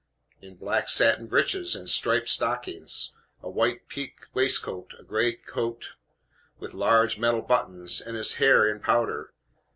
"In black satin breeches and striped stockings; a white pique waistcoat, a gray coat, with large metal buttons, and his hair in powder.